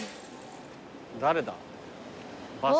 誰だ？